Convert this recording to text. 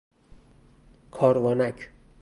کاروانک